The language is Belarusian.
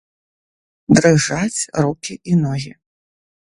Дрыжаць рукі і ногі.